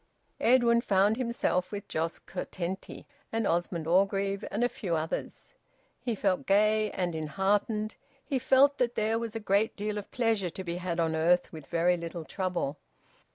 Edwin found himself with Jos Curtenty and Osmond Orgreave and a few others. He felt gay and enheartened; he felt that there was a great deal of pleasure to be had on earth with very little trouble.